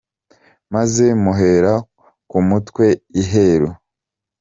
Maze muhera ku mutwe iheru